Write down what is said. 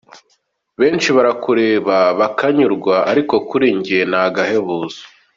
Benshi barakureba bakanyurwa ariko kuri njye ni agahebuzo.